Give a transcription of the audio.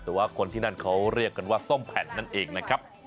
แต่ว่าคนที่นั่นเขาเรียกกันว่าส้มแผ่นนั่นเองนะครับ